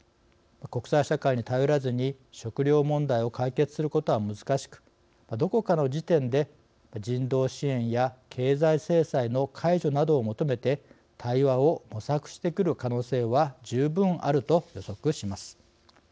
国際社会に頼らずに食糧問題を解決することは難しくどこかの時点で人道支援や経済制裁の解除などを求めて対話を模索してくる可能性は十分あると予測します。